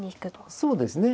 そうですね。